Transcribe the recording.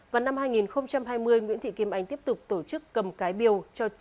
vào năm hai nghìn hai mươi nguyễn thị kim anh tiếp tục tổ chức cầm cái biêu